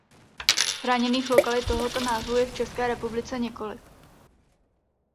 Chráněných lokalit tohoto názvu je v České republice několik.